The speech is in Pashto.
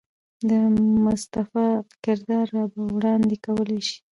د مصطفى کردار را وړاندې کولے شي.